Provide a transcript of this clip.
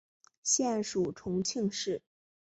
现属重庆市。